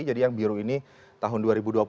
jadi yang biru ini tahun dua ribu dua puluh lima